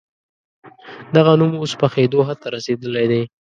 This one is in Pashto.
دغه نوم اوس پخېدو حد ته رسېدلی دی.